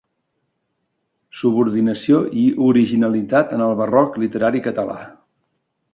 «Subordinació i originalitat en el Barroc literari Català.